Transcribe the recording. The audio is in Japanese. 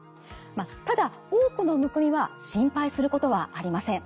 ただ多くのむくみは心配することはありません。